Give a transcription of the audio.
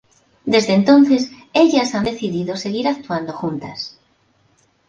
Desde entonces ellas han decidido seguir actuando juntas.